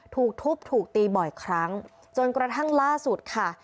ถูกทุบถูกตีบ่อยครั้งจนกระทั่งล่าสุดค่ะ